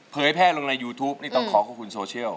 แพร่ลงในยูทูปนี่ต้องขอขอบคุณโซเชียล